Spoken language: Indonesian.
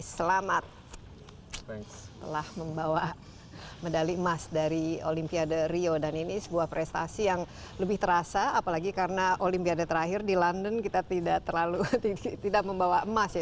selamat telah membawa medali emas dari olimpiade rio dan ini sebuah prestasi yang lebih terasa apalagi karena olimpiade terakhir di london kita tidak terlalu tidak membawa emas ya